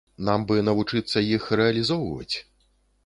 Нам бы навучыцца іх рэалізоўваць.